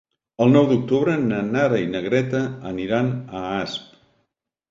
El nou d'octubre na Nara i na Greta aniran a Asp.